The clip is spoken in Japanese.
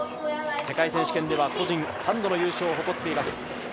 世界選手権では個人３度の優勝を誇っています。